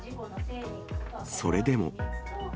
それでも。